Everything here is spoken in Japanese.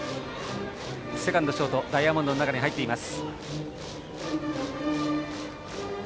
セカンド、ショートダイヤモンドの中に入っています。